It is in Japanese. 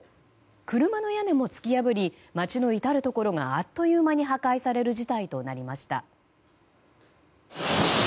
車の屋根も突き破り街の至るところがあっという間に破壊される事態となりました。